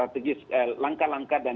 untung sesuai dengan hal yang bawah tersebut